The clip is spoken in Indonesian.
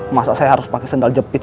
masa saya harus pake sendal jepang